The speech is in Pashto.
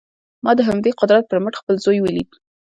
ما د همدې قدرت پر مټ خپل زوی وليد.